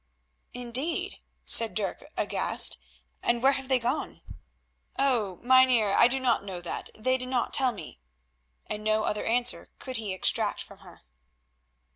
"Indeed," said Dirk aghast, "and where have they gone?" "Oh! Mynheer, I do not know that, they did not tell me," and no other answer could he extract from her.